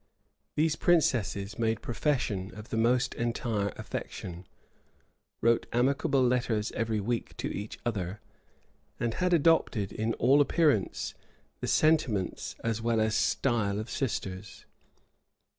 These princesses made profession of the most entire affection; wrote amicable letters every week to each other; and had adopted, in all appearance, the sentiments as well as style of sisters.